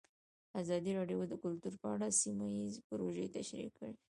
ازادي راډیو د کلتور په اړه سیمه ییزې پروژې تشریح کړې.